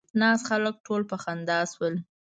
ناست خلک ټول په خندا شول.